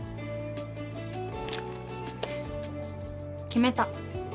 決めた。